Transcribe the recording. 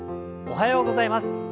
おはようございます。